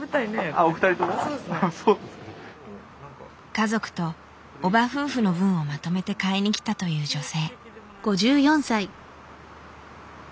家族とおば夫婦の分をまとめて買いに来たという女性。